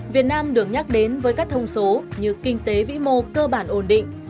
việt nam được nhắc đến với các thông số như kinh tế vĩ mô cơ bản ổn định